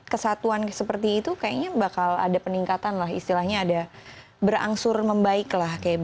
kesatuan seperti itu kayaknya bakal ada peningkatan lah istilahnya ada berangsur membaik lah